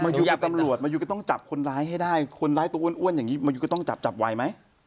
ยูกับตำรวจมายูก็ต้องจับคนร้ายให้ได้คนร้ายตัวอ้วนอย่างนี้มายูก็ต้องจับจับไวไหม